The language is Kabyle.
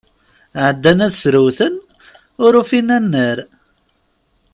Ɛeddan ad ssrewten, ur ufin annar.